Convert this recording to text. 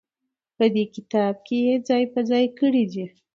په دې کتاب کې يې ځاى په ځاى کړي دي.